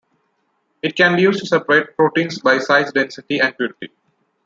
It can be used to separate proteins by size, density and purity.